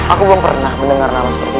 aku belum pernah mendengar nama seperti itu